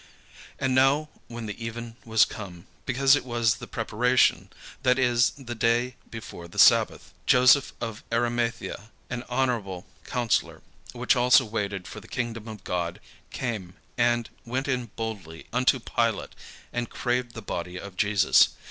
And now when the even was come, because it was the preparation, that is, the day before the sabbath, Joseph of Arimathaea, an honourable counsellor, which also waited for the kingdom of God, came, and went in boldly unto Pilate, and craved the body of Jesus.